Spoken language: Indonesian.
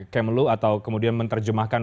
kemelu atau kemudian menerjemahkan